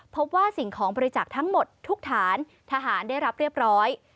พบว่าสิ่งของบริจาคทั้งหมดทุกฐานทหารได้รับเรียบร้อย